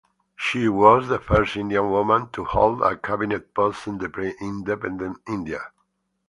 She was the first Indian woman to hold a cabinet post in pre-independent India.